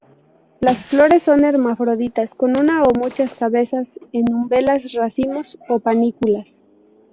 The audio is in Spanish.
Las flores son hermafroditas con una o muchas cabezas en umbelas, racimos o panículas.